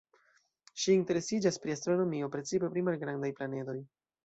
Ŝi interesiĝas pri astronomio, precipe pri malgrandaj planedoj.